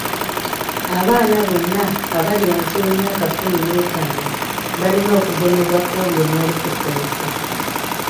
Abaana bonna abali wansi w'emyaka kkumi n'etaano balina okugemebwa ppoliyo n'olukusense.